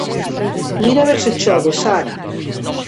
-Mira a ver se chove, Sara!